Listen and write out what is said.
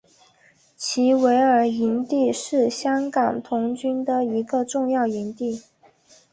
基维尔营地是香港童军一个重要的营地。